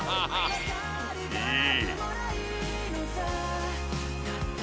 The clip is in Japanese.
いい！